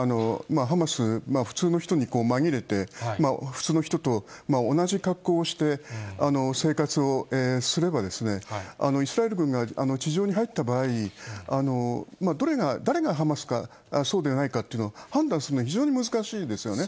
ハマス、普通の人に紛れて、普通の人と同じ格好をして、生活をすれば、イスラエル軍が地上に入った場合に、どれが、誰がハマスかそうでないかというのを判断するのは非常に難しいですよね。